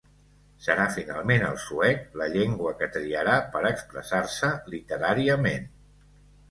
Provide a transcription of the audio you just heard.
Serà finalment el suec la llengua que triarà per expressar-se literàriament.